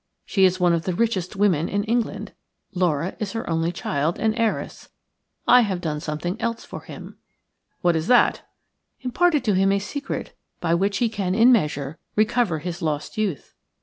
She is one of the richest women in England; Laura is her only child and heiress. I have done something else for him." "What is that?" "Imparted to him a secret by which he can in a measure recover his lost youth.